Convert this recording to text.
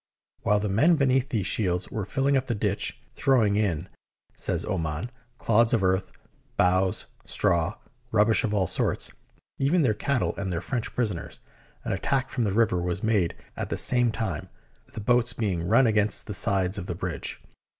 While the men beneath these shields were filling up the ditch, throwing in, says [ 154] SIEGE OF PARIS Oman, clods of earth, boughs, straw, rubbish of all sorts — even their cattle and their French prisoners — an attack from the river was made at the same time, the boats being run against the sides of the bridge.